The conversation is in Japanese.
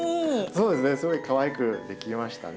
そうですねすごいかわいく出来ましたね。